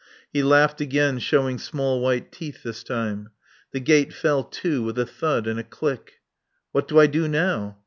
He laughed again, showing small white teeth this time. The gate fell to with a thud and a click. "What do I do now?"